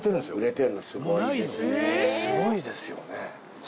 すごいですよね。